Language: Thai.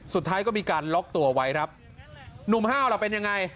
สุดท้ายก็มีการล็อกตัวไว้ครับหนุ่มห้าวล่ะเป็นยังไง